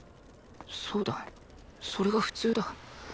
そうだそれが普通だ